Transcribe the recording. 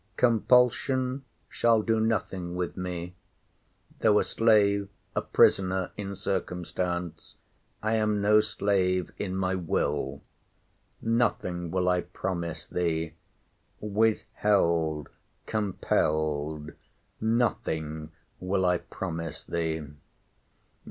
Compulsion shall do nothing with me. Though a slave, a prisoner, in circumstance, I am no slave in my will!—Nothing will I promise thee!—Withheld, compelled—nothing will I promise thee!